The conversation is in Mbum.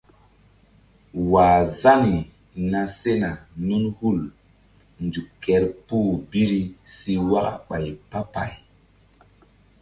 ̰wah Zani na sena nun hul nzuk kerpuh biri si waka ɓay pah pay.